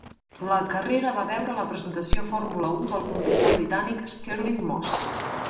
La carrera va veure la presentació Fórmula I del conductor Britànic Stirling Moss.